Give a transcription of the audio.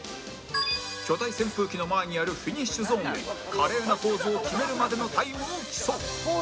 巨大扇風機の前にあるフィニッシュゾーンで華麗なポーズを決めるまでのタイムを競う